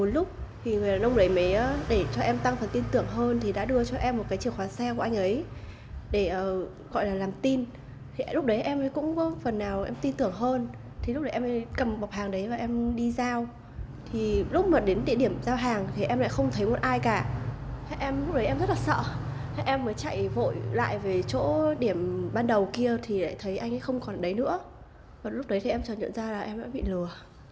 lúc đấy em rất là sợ em mới chạy vội lại về chỗ điểm ban đầu kia thì thấy anh ấy không còn ở đấy nữa và lúc đấy em chẳng nhận ra là em đã bị lừa